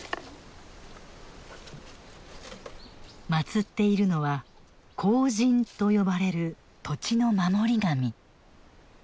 祀っているのは「荒神」と呼ばれる土地の守り神。